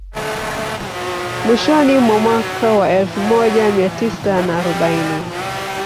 Mwishoni mwa mwaka wa elfu moja mia tisa na arobaini